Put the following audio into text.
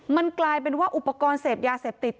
มันกลายเป็นว่าอุปกรณ์เสพยาเสพติด